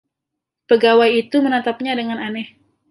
Pegawai itu menatapnya dengan aneh.